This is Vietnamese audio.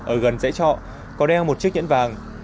ở gần dãy trọ có đeo một chiếc nhẫn vàng